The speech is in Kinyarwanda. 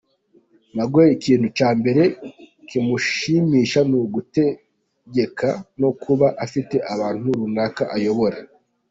Miguel ikintu cya mbere kimushimisha ni ugutegeka no kuba afite abantu runaka ayobora.